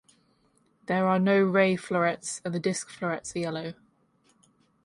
There are no ray florets and the disc florets are yellow.